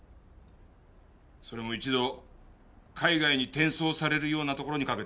それも一度海外に転送されるようなところにかけている。